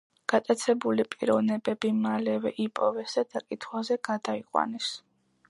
გატაცებული პიროვნებები მალევე იპოვეს და დაკითხვაზე გადაიყვანეს.